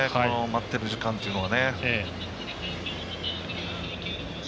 待っている時間というのはね。